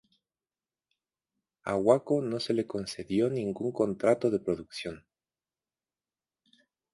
A Waco no se le concedió ningún contrato de producción.